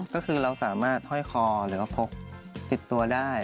ก็คือเราสามารถห้อยคอหรือว่าพกติดตัวได้